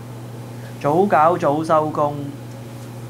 早搞早收工